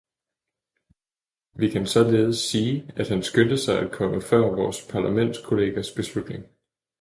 Vi kan således sige, at han skyndte sig at komme før vores parlamentskollegas beslutning.